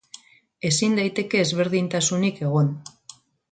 Ezin daiteke ezberdintasunik egon.